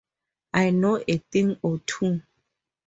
I know a thing or two.